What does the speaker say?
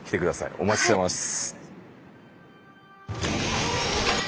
お待ちしてます。